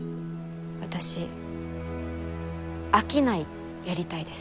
私商いやりたいです。